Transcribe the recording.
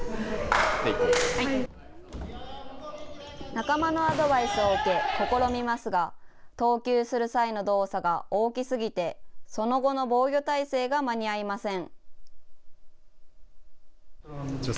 仲間のアドバイスを受け試みますが、投球する際の動作が大きすぎて、その後の防御態勢が間に合いません。